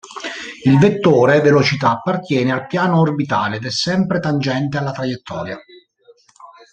Il vettore velocità appartiene al piano orbitale, ed è sempre tangente alla traiettoria.